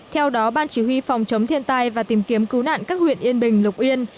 theo đó ban chỉ huy phòng chống thiên tai và tìm kiếm cứu nạn các huyện yên bình lục yên